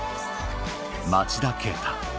町田啓太